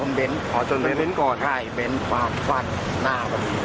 เมื่อเวลาเมื่อเวลา